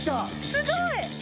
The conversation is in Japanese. すごい！